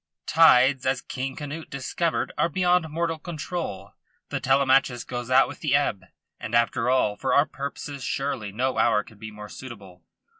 "Tides, as King Canute discovered, are beyond mortal control. The Telemachus goes out with the ebb. And, after all, for our purposes surely no hour could be more suitable.